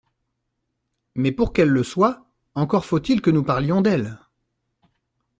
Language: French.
Mais, pour qu’elle le soit, encore faut-il que nous parlions d’elle.